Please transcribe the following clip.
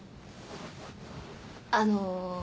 あの。